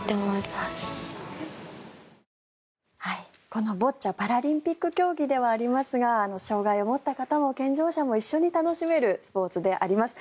このボッチャはパラリンピック競技ではありますが障害を持った方も健常者も一緒に楽しめるスポーツであります。